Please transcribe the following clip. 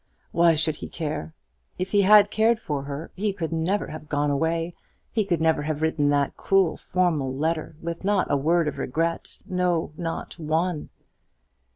Why should he care? If he had cared for her, he could never have gone away, he could never have written that cruel formal letter, with not a word of regret no, not one.